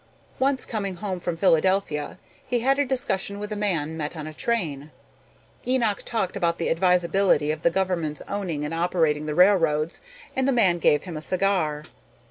Once, coming home from Philadelphia, he had a discussion with a man met on a train. Enoch talked about the advisability of the government's owning and operating the railroads and the man gave him a cigar.